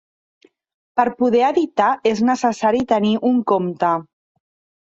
Per poder editar és necessari tenir un compte.